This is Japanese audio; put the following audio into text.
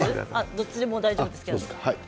どっちでも大丈夫ですけど。